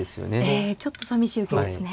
ええちょっとさみしい受けですね。